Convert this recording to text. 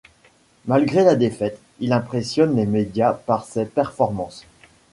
Malgré la défaite, il impressionne les médias par ses performances.